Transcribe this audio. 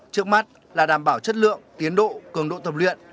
trước mắt là đảm bảo chất lượng tiến độ cường độ tập luyện